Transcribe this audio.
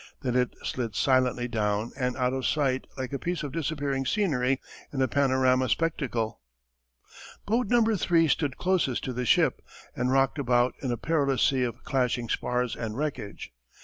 Then it slid silently down and out of sight like a piece of disappearing scenery in a panorama spectacle. Boat No. 3 stood closest to the ship and rocked about in a perilous sea of clashing spars and wreckage.